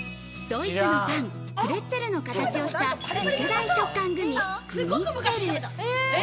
ドイツのパン、プレッツェルの形をした次世代食感グミ、グミッツェル。